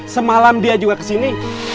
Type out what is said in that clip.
semalam dia juga kesini